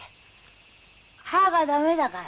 歯が駄目だから。